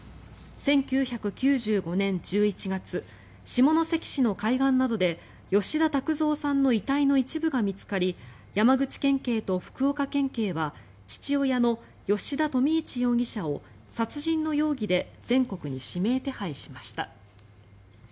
１９９５年１１月下関市の海岸などで吉田卓三さんの遺体の一部が見つかり山口県警と福岡県警は父親の吉田富一容疑者を殺人の容疑で全国に指名手配しました。